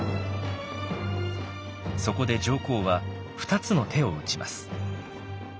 そこで上皇は２つの手を打ちます。